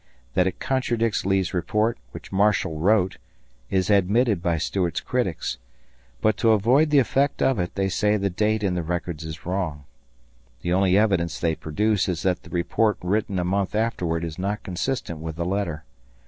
That it contradicts Lee's report, which Marshall wrote, is admitted by Stuart's critics; but to avoid the effect of it they say the date in the records is wrong. The only evidence they produce is that the report written a month afterward is not consistent with the letter.